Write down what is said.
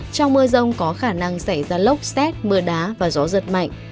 trong mưa rông có khả năng xảy ra lốc xét mưa đá và gió giật mạnh